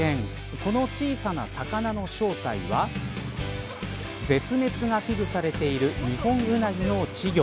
この小さな魚の正体は絶滅が危惧されているニホンウナギの稚魚。